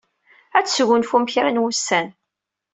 Ad tesgunfum kra n wussan.